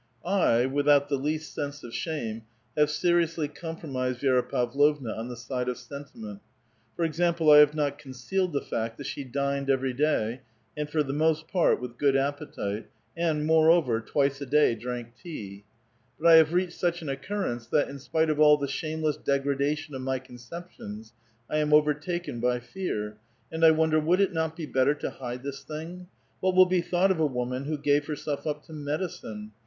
I, without the least sense of shame, have seriously com promised Vi^ra Pavlovna on the side of sentiment. For example, I have not concealed the fact that she dined eveiy day, and for the most part with good appetite, and, more over, twice a dav drank tea. But I have reached such an occurrence that, in spite of all the shameless degradation of my conceptions, I am overtaken by fear; and I wonder, would it not be better to hide this thing? What will be thought of a won\pn who gave herself up to medicine?